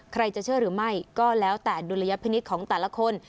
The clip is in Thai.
จะเชื่อหรือไม่ก็แล้วแต่ดุลยพินิษฐ์ของแต่ละคน